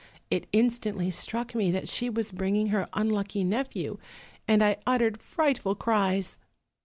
It instantly struck me that she was bringing her unlucky nephew, and I uttered fright ful cries.